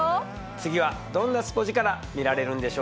次はどんなスポヂカラ見られるんでしょうか。